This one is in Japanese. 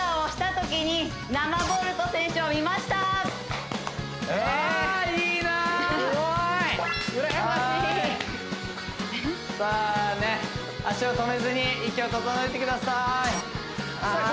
うらやましいさあ足を止めずに息を整えてくださいさあ